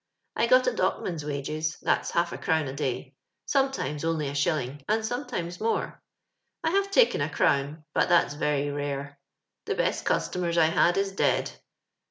I got A dockman's wages — that's half a crown a day ; ^sometimes only a shilling, and sometimes anore. I have taken a crown — but that's very rare. The best customers I had is dead. I